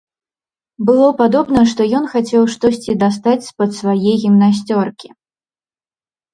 Было падобна, што ён хацеў штосьці дастаць з-пад свае гімнасцёркі.